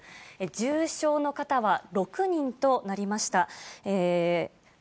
重症の方は６人となりました。